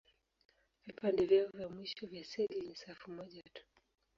Vipande vyao vya mwisho vya seli ni safu moja tu.